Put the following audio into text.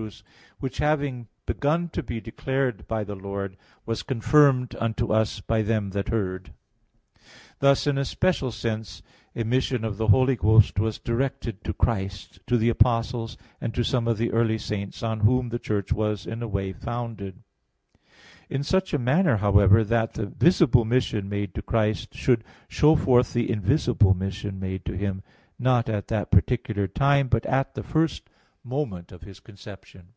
2:3, "which having begun to be declared by the Lord, was confirmed unto us by them that heard." Thus in a special sense, a mission of the Holy Ghost was directed to Christ, to the apostles, and to some of the early saints on whom the Church was in a way founded; in such a manner, however, that the visible mission made to Christ should show forth the invisible mission made to Him, not at that particular time, but at the first moment of His conception.